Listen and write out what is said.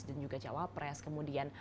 dan juga jawapres kemudian